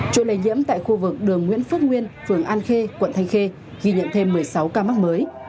trụ lây nhiễm tại khu vực đường nguyễn phước nguyên phường an khê quận thanh khê ghi nhận thêm một mươi sáu ca mắc mới